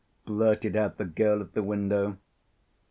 blurted out the girl at the window.